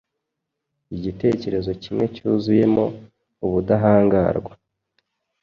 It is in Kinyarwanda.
Igitekerezo kimwe cyuzuyemo ubudahangarwa.